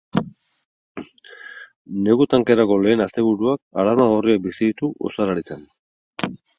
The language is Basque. Negu tankerako lehen asteburuak alarma gorriak piztu ditu ostalaritzan.